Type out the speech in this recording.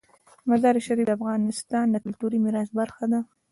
مزارشریف د افغانستان د کلتوري میراث برخه ده.